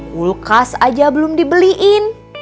kulkas aja belum dibeliin